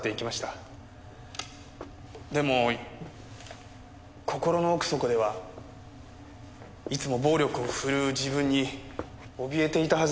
でも心の奥底ではいつも暴力を振るう自分におびえていたはずです。